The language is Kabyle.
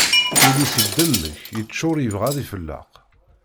Ul-is idemmek yeččur yebɣa ad ifelleq.